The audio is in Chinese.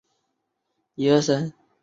主要从浙界往粤界排列。